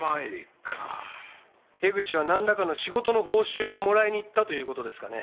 江口はなんらかの仕事の報酬をもらいに行ったという事ですかね？